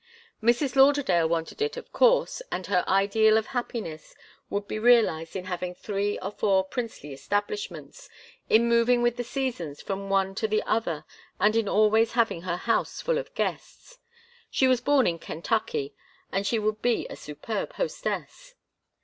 Mrs. Lauderdale wanted it, of course, and her ideal of happiness would be realized in having three or four princely establishments, in moving with the seasons from one to the other and in always having her house full of guests. She was born in Kentucky and she would be a superb hostess.